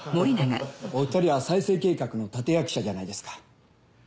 お二人は再生計画の立役者じゃないですか。